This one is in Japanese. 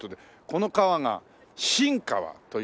この川が新川というね。